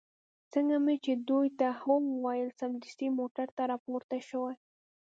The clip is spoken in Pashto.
څنګه چې مې دوی ته هو وویل، سمدستي موټر ته را پورته شوې.